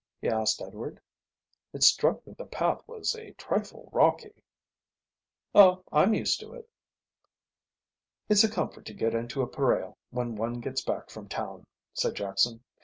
he asked Edward. "It struck me the path was a trifle rocky." "Oh, I'm used to it." "It's a comfort to get into a pareo when one gets back from town," said Jackson.